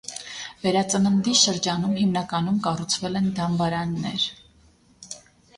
Վերածննդի շրջանում հիմնականում կառուցվել են դամբարաններ։